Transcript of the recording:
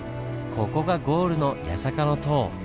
ここがゴールの八坂の塔。